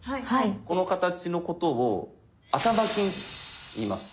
この形のことを「頭金」といいます。